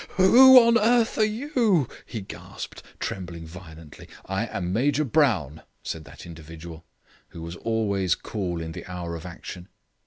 "Who on earth are you?" he gasped, trembling violently. "I am Major Brown," said that individual, who was always cool in the hour of action.